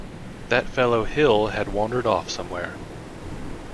That fellow Hill had wandered off somewhere.